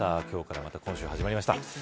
今日からまた今週始まりました。